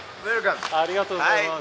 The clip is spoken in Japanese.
ありがとうございます。